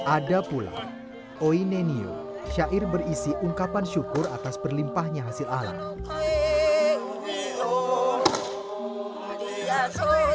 ada pula oinenio syair berisi ungkapan syukur atas berlimpahnya hasil alam